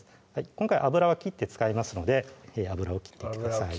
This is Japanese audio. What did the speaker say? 今回油は切って使いますので油を切っていってください